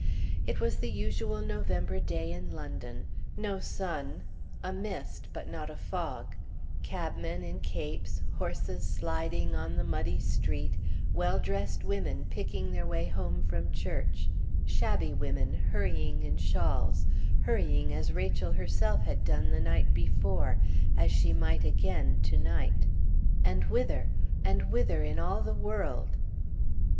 It was the usual November day in London; no sun; a mist, but not a fog; cabmen in capes, horses sliding on the muddy street, well dressed women picking their way home from church shabby women hurrying in shawls hurrying as Rachel herself had done the night before as she might again to night. And whither? And whither, in all the world?